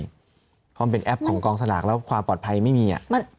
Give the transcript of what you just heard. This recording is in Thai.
เพราะมันเป็นแอปของกองสลากแล้วความปลอดภัยไม่มี